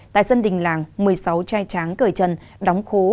tại dân đình làng một mươi sáu trai tráng cởi chân đóng khố